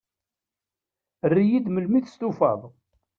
Err-iyi-d melmi testufaḍ.